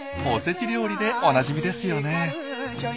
おせち料理でおなじみですよね。